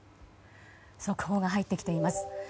速報が入ってきています。